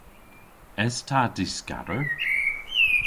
Es ta dyskador?